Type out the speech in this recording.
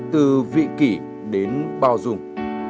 từ vị kỷ đến bao dùng